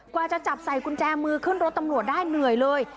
กว่าจะจับใส่กุญแจมือขึ้นรถตำรวจได้เหนื่อยเลย